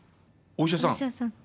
お医者さん？